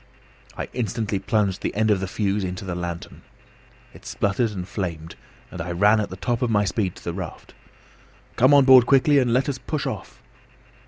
I instantly plunged the end of the fuse into the lantern. It spluttered and flamed, and I ran at the top of my speed to the raft. "Come on board quickly, and let us push off."